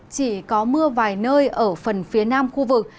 chỉ có mưa vài nơi ở phần phía nam khu vực